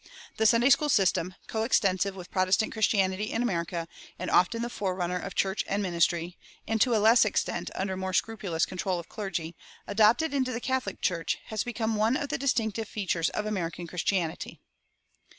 The Sunday school system, coextensive with Protestant Christianity in America, and often the forerunner of church and ministry, and, to a less extent and under more scrupulous control of clergy, adopted into the Catholic Church, has become one of the distinctive features of American Christianity.